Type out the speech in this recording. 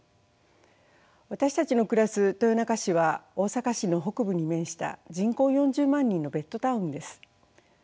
私たちの暮らす豊中市は大阪市の北部に面した人口４０万人のベッドタウンです。